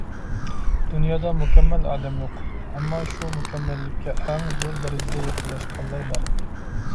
دۇنيادا مۇكەممەل ئادەم يوق، ئەمما شۇ مۇكەممەللىككە ئەڭ زور دەرىجىدە يېقىنلاشقانلار بار.